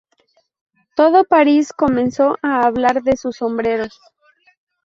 Todo París comenzó a hablar de sus sombreros.